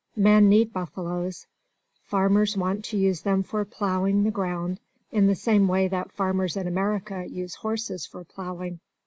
Men need buffaloes. Farmers want to use them for plowing the ground, in the same way that farmers in America use horses for plowing.